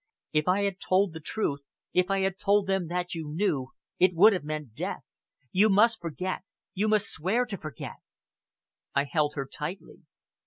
If I had told the truth, if I had told them that you knew, it would have meant death! You must forget, you must swear to forget." I held her tightly.